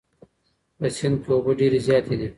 په سیند کې اوبه ډېرې زیاتې دي.